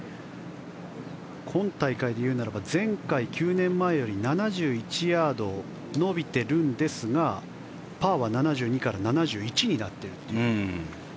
今大会で言うなら前回、９年前より７１ヤード延びてるんですがパーは７２から７１になっています。